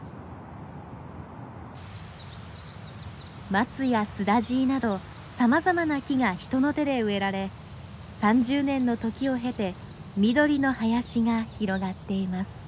マツやスダジイなどさまざまな木が人の手で植えられ３０年の時を経て緑の林が広がっています。